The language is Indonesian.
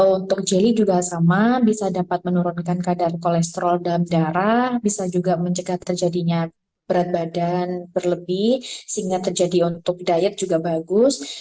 untuk jeli juga sama bisa dapat menurunkan kadar kolesterol dalam darah bisa juga mencegah terjadinya berat badan berlebih sehingga terjadi untuk diet juga bagus